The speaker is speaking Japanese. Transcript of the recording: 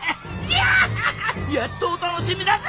やっとお楽しみだぜ！